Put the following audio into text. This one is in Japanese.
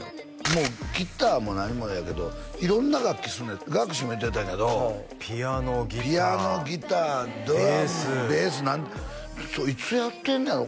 もうギターも何もやけど色んな楽器すんねんＧａｋｕｓｈｉも言うてたけどピアノギターベースピアノギタードラムベースいつやってんねやろ？